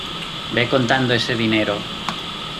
ve contando ese dinero.